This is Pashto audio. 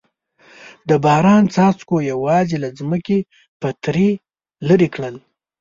د باران څاڅکو یوازې له ځمکې پتري لرې کړل.